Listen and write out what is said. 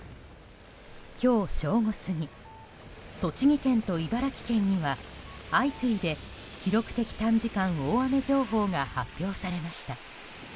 今日正午過ぎ栃木県と茨城県には相次いで記録的短時間大雨情報が発表されました。